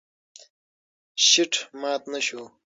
شیټ مات نه شو.